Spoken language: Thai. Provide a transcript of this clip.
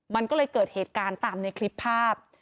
มันก็เลยเกิดเหตุการณ์ตามในคลิปภาพ